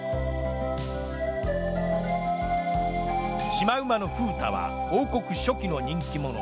シマウマの風太は王国初期の人気者。